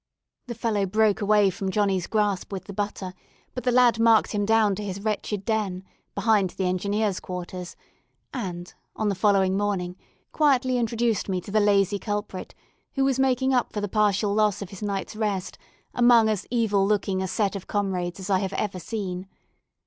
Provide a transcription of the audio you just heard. The fellow broke away from Johnny's grasp with the butter, but the lad marked him down to his wretched den, behind the engineers' quarters, and, on the following morning, quietly introduced me to the lazy culprit, who was making up for the partial loss of his night's rest among as evil looking a set of comrades as I have ever seen.